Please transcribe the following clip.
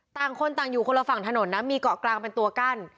ต่างคนต่างอยู่คนละฝั่งถนนนะมีเกาะกลางเป็นตัวกั้น